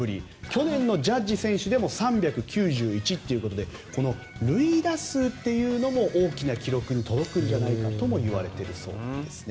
去年のジャッジ選手でも３９１ということで塁打数というのも大きな記録に届くんじゃないかといわれているそうなんですね。